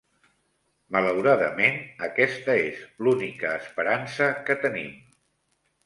Malauradament, aquesta és l'única esperança que tenim.